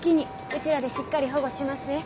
うちらでしっかり保護しますえ。